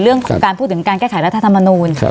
เรื่องของการพูดถึงการแก้ไขรัฐธรรมนูล